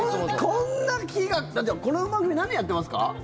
こんなだってこの番組何年やってますか？